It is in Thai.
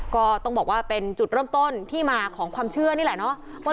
ก็ต้องบอกว่าเป็นจุดเริ่มต้นที่มาของความเชื่อนี่แหละเนาะ